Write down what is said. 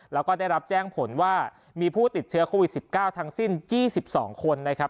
แล้วก็ได้รับแจ้งผลว่ามีผู้ติดเชื้อโควิด๑๙ทั้งสิ้น๒๒คนนะครับ